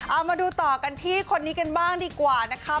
เอามาดูต่อกันที่คนนี้กันบ้างดีกว่านะคะ